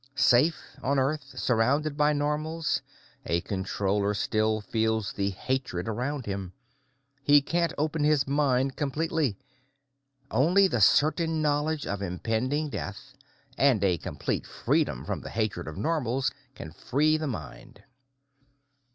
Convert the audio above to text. Safe, on Earth, surrounded by Normals, a Controller still feels the hatred around him. He can't open his mind completely. Only the certain knowledge of impending death, and a complete freedom from the hatred of Normals can free the mind.